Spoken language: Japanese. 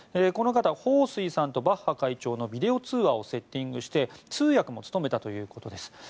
この方はホウ・スイさんとバッハ会長のビデオ通話をセッティングして通訳も務めたということです。